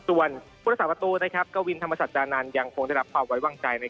ส่วนผู้รักษาประตูกวินธรรมสัจจานันทร์ยังคงได้รับความไว้วางใจ